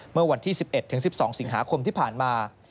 เมื่อวันที่๑๑๑๒สิงหาคมที่ผ่านมา